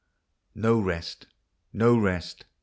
No rest ! No rest